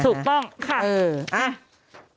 ถูกต้อง